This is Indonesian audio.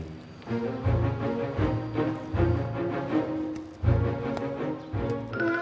silakan pak komar